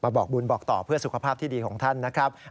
บอกบุญบอกต่อเพื่อสุขภาพที่ดีของท่านนะครับ